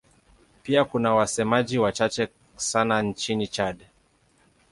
Pia kuna wasemaji wachache sana nchini Chad.